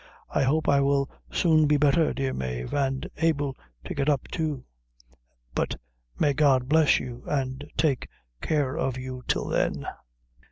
"I hope I will soon be better, dear Mave, and able to get up too but may God bless you and take care of you till then!"